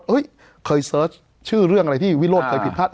เคยเสิร์ชชื่อเรื่องอะไรที่วิโรธเคยผิดพลาด